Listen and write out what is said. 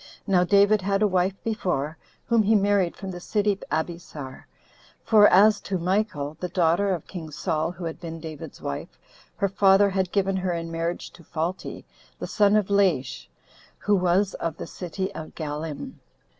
Now David had a wife before, whom he married from the city Abesar; for as to Michal, the daughter of king Saul, who had been David's wife, her father had given her in marriage to Phalti, the son of Laish, who was of the city of Gallim.